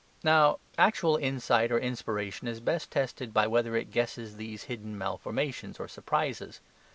Now, actual insight or inspiration is best tested by whether it guesses these hidden malformations or surprises.